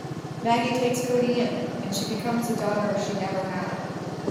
Maggie takes Cody in, and she becomes the daughter she never had.